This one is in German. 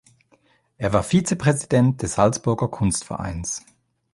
Er war Vizepräsident des Salzburger Kunstvereins.